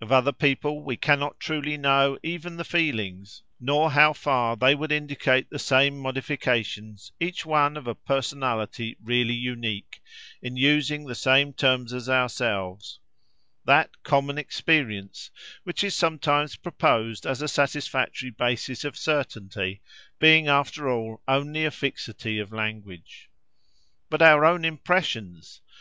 Of other people we cannot truly know even the feelings, nor how far they would indicate the same modifications, each one of a personality really unique, in using the same terms as ourselves; that "common experience," which is sometimes proposed as a satisfactory basis of certainty, being after all only a fixity of language. But our own impressions!